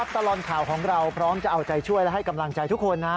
ตลอดข่าวของเราพร้อมจะเอาใจช่วยและให้กำลังใจทุกคนนะ